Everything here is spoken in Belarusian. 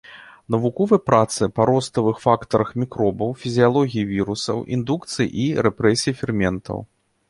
Навуковыя працы па роставых фактарах мікробаў, фізіялогіі вірусаў, індукцыі і рэпрэсіі ферментаў.